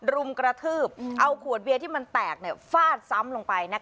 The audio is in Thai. รุมกระทืบเอาขวดเบียร์ที่มันแตกฟาดซ้ำลงไป